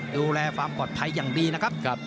ดูแลความปลอดภัยอย่างดีนะครับ